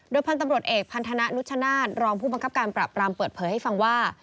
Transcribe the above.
พันธุ์ตำรวจเอกพันธนะนุชชนาศรองผู้บังคับการปราบรามเปิดเผยให้ฟังว่า